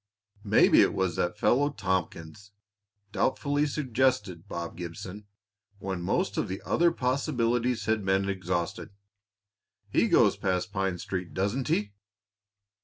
"Maybe it was that fellow Tompkins," doubtfully suggested Bob Gibson, when most of the other possibilities had been exhausted. "He goes past Pine Street, doesn't he?"